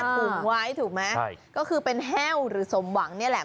ถุงไว้ถูกไหมก็คือเป็นแห้วหรือสมหวังเนี่ยแหละ